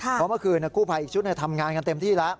เพราะเมื่อคืนกู้ภัยอีกชุดทำงานกันเต็มที่แล้ว